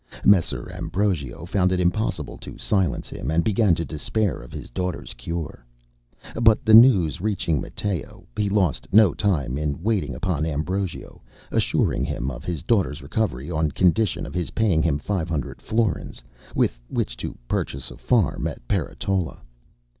Messer Ambrogio found it impossible to silence him, and began to despair of his daughterŌĆÖs cure. But the news reaching Matteo, he lost no time in waiting upon Ambrogio, assuring him of his daughterŌĆÖs recovery on condition of his paying him five hundred florins, with which to purchase a farm at Peretola.